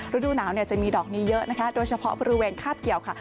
ฤดูหนาวจะมีดอกนี้เยอะนะคะโดยเฉพาะบริเวณคาบเกี่ยวค่ะ